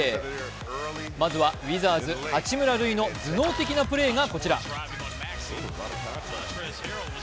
まずは、ウィザーズ・八村塁の頭脳的なプレーがこちら。